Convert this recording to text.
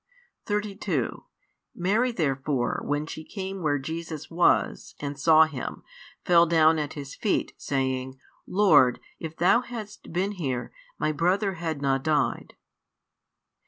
32 Mary therefore, when she came where Jesus was, and saw Him, fell down at His feet, saying, Lord, if Thou hadst been here, my brother had not died.